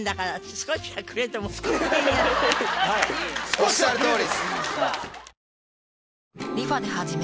おっしゃるとおり！